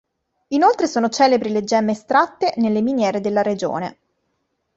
Inoltre sono celebri le gemme estratte nelle miniere della regione.